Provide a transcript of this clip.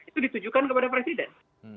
itu ditujukan kepada presiden